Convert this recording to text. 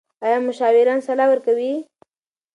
ایا مشاوران سلا ورکوي؟